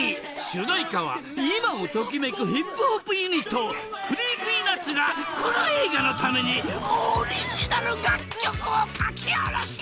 主題歌は今を時めくヒップホップユニットＣｒｅｅｐｙＮｕｔｓがこの映画のためにオリジナル楽曲を書き下ろし！